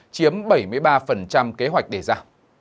chiếm bảy mươi ba kế hoạch đề ra